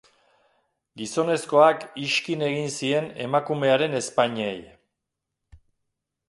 Gizonezkoak ixkin egin zien emakumearen ezpainei.